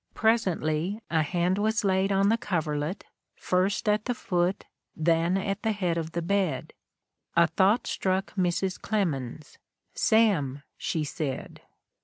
Presently a hand was laid on the coverlet, first at the foot, then at the head of the bed. A thought struck Mrs. Clemens: 'Sam!' she said.